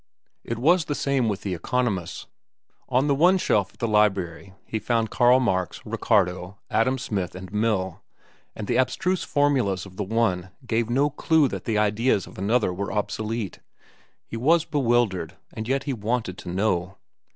It was the same with the economists. On the one shelf at the library he found Karl Marx, Ricardo, Adam Smith, and Mill, and the abstruse formulas of the one gave no clew that the ideas of another were obsolete. He was bewildered, and yet he wanted to know.